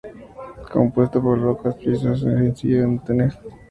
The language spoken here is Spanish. Está compuesta por pocas piezas y es muy sencilla de mantener.